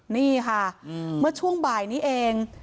นี่ค่ะเมื่อช่วงบ่ายนี้เอง